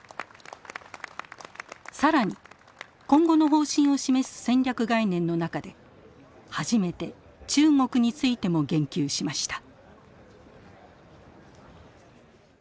更に今後の方針を示す「戦略概念」の中で初めて中国についても言及しました。